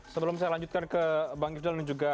sebelum saya lanjutkan ke bang ifdal dan juga